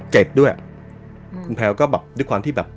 เจ็บด้วยอืมคุณแพวก็แบบด้วยความที่แบบ